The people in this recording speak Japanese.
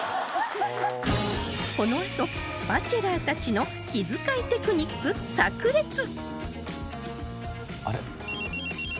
このあとバチェラーたちの気遣いテクニック炸裂！